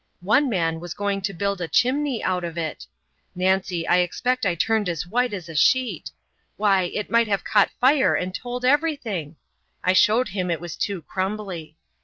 One man was going to build a chimney out of it. Nancy I expect I turned as white as a sheet! Why, it might have caught fire and told everything. I showed him it was too crumbly.